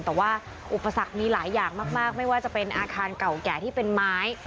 แต่ว่าอุปสรรคมีหลายอย่างมากไม่ว่าจะเป็นอาคารเก่าแก่ที่เป็นไม้